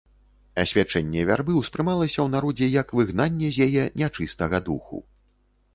Асвячэнне вярбы ўспрымалася ў народзе як выгнанне з яе нячыстага духу.